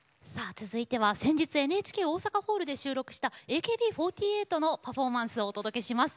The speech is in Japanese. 続いては先日ＮＨＫ大阪ホールで収録しましたＡＫＢ４８のパフォーマンスをお届けします。